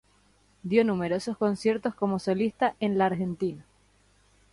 Dio numerosos conciertos como solista en la Argentina.